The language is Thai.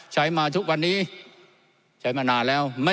ใช้มาทุกวันนี้ใช้มานานแล้ว